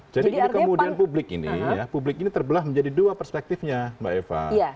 jadi kemudian publik ini terbelah menjadi dua perspektifnya mbak eva